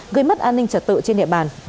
gây mất an ninh trật tự trên địa bàn